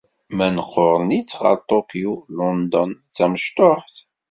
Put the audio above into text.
Ma nquren-itt ɣer Tokyo, London d tamecṭuḥt.